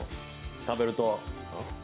食べると？